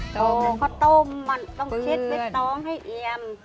โตข้าวต้มมันต้องเช็ดน้องให้เอียม